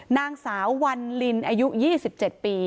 นางสาววันลินอายุ๒๗ปี